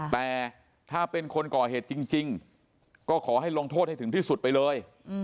แต่ถ้าเป็นคนก่อเหตุจริงก็ขอให้ลงโทษให้ถึงที่สุดไปเลย